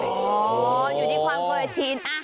อ๋ออยู่ที่ความเคยชิน